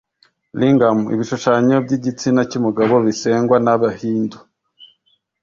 lingam (ibishushanyo by’igitsina cy’umugabo) bisengwa n’abahindu.